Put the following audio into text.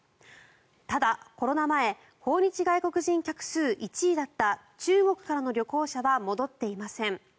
ただ、コロナ前訪日外国人客数１位だった中国からの旅行者は戻っていません。